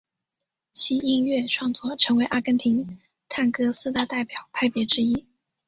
其音乐创作成为阿根廷探戈四大代表派别之一。